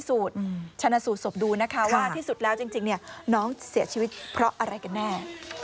เสียชีวิตเพราะอะไรกันแน่